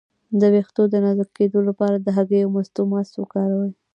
د ویښتو د نازکیدو لپاره د هګۍ او مستو ماسک وکاروئ